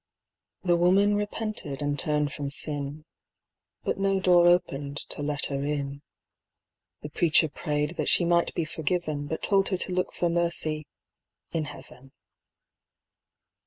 The woman repented and turned from sin, But no door opened to let her in. The preacher prayed that she might be forgiven, But told her to look for mercy in heaven.